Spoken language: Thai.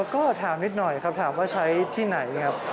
ก็ถามนิดหน่อยถามว่าใช้ที่ไหน